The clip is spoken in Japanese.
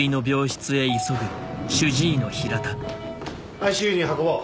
ＩＣＵに運ぼう。